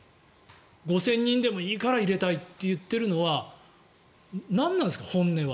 ５０００人でもいいから入れたいと言っているのは何なんですか、本音は。